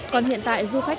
còn hiện tại du khách